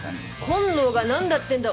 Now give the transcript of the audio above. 本能がなんだってんだ。